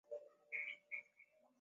Usinione simba kapigwa na mvua